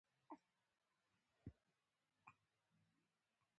قلم د علمي نظریاتو تمثیلوي